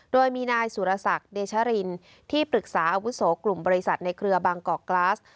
โดยมีนายสุรศักดิ์เดชรินที่ปรึกษาอาวุโสกลุ่มบริษัทในเครือบางกอกกลาส